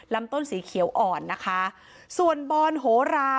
ลำต้นสีเขียวอ่อนนะคะส่วนบอนโหรา